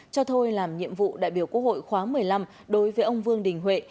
cho thôi làm nhiệm vụ đại biểu quốc hội khóa một mươi năm đối với ông vương đình huệ